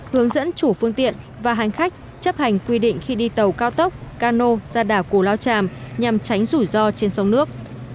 hướng dẫn chủ phương tiện và hành khách chấp hành quy định khi đi tàu cao tốc cano ra đảo cù lao tràm nhằm tránh rủi ro trên sông nước